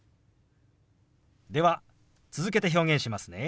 では続けて表現しますね。